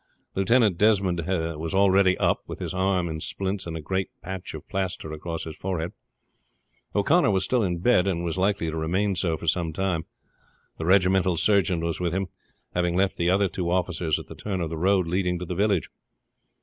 Lieutenant Desmond was already up, with his arm in splints and a great patch of plaster across his forehead. O'Connor was still in bed, and was likely to remain so for some time. The regimental surgeon was with him, having left the other two officers at the turn of the road leading to the village.